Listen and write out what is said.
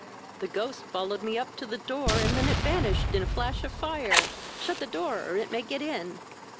The ghost followed me up to the door, and then vanished in a flash of fire! Shut the door, or it may get in!"